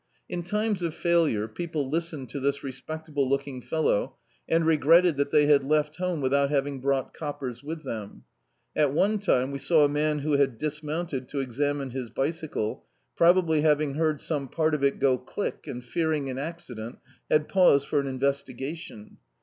In times of failure people listened to this respecta ble looking fellow, and regretted that they had left home without having brought coppers with them. At one time we saw a man who had dismounted to examine his bicycle, probably having heard some part of it go click and fearing an accident, had paused for an investigation.